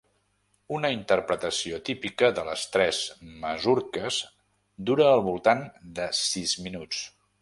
Una interpretació típica de les tres masurques dura al voltant de sis minuts.